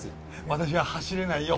私は走れないよ